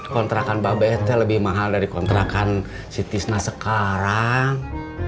kontrakan pak bent lebih mahal dari kontrakan si tisna sekarang